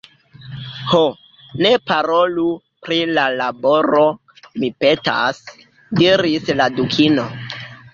"Ho, ne parolu pri la laboro, mi petas," diris la Dukino. "